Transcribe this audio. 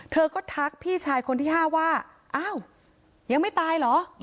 เธอก็ทักพี่ชายคนที่๕ว่าอ้าวยังไม่ตายเหรอ